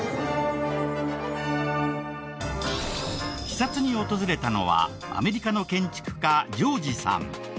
視察に訪れたのはアメリカの建築家ジョージさん。